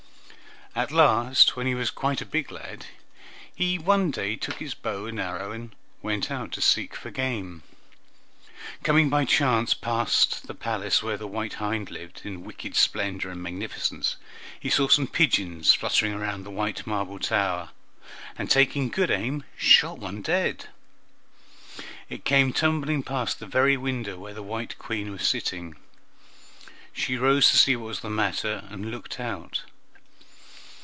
At last, when he was quite a big lad, he one day took his bow and arrow, and went out to seek for game. Coming by chance past the palace where the white hind lived in wicked splendor and magnificence, he saw some pigeons fluttering round the white marble turrets, and, taking good aim, shot one dead. It came tumbling past the very window where the white Queen was sitting; she rose to see what was the matter, and looked out.